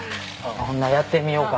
ほなやってみようか。